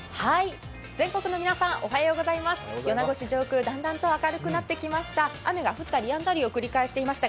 米子市上空だんだんと明るくなってきました。